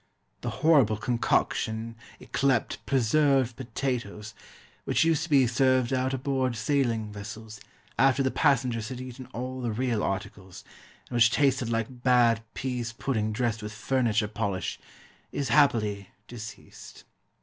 The horrible concoction yclept "preserved potatoes," which used to be served out aboard sailing vessels, after the passengers had eaten all the real articles, and which tasted like bad pease pudding dressed with furniture polish, is, happily, deceased.